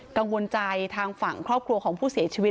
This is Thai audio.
กังวลใจทางฝั่งครอบครัวของผู้เสียชีวิต